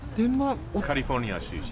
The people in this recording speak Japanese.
カリフォルニア出身。